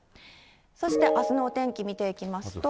そしてあすのお天気見ていきますと。